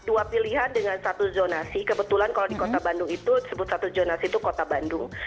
dua pilihan dengan satu zonasi kebetulan kalau di kota bandung itu sebut satu zonasi itu kota bandung